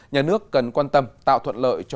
nhà nước cần quan tâm tạo thuận lợi